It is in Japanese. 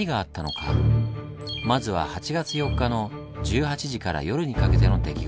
まずは８月４日の１８時から夜にかけての出来事。